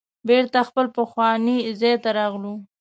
بیرته خپل پخواني ځای ته راغلو.